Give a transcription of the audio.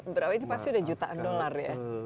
berapa ini pasti udah jutaan dolar ya